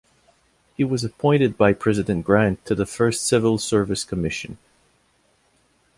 He was appointed by President Grant to the first Civil Service Commission.